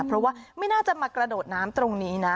เพราะว่าไม่น่าจะมากระโดดน้ำตรงนี้นะ